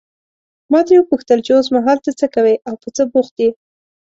ما ترې وپوښتل چې اوسمهال ته څه کوې او په څه بوخت یې.